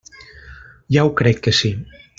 Ja ho crec que sí!